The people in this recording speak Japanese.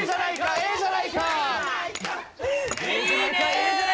「ええじゃないか」いいね。